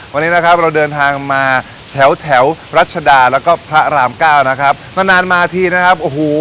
วันนี้นะครับเราเดินทางมาแถวแถวรัชดาแล้วก็พระรามเก้านะครับ